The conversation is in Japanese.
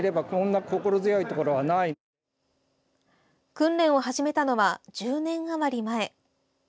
訓練を始めたのは１０年余り前。